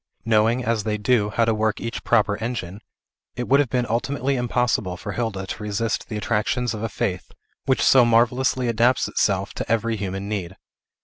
Knowing, as they do, how to work each proper engine, it would have been ultimately impossible for Hilda to resist the attractions of a faith, which so marvellously adapts itself to every human need.